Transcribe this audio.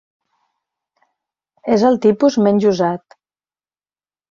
És el tipus menys usat.